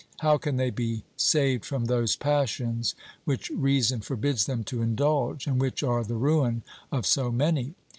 How can they be saved from those passions which reason forbids them to indulge, and which are the ruin of so many?